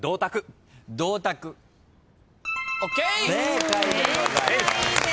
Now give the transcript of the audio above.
正解でございます。